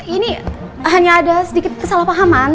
ini hanya ada sedikit kesalahpahaman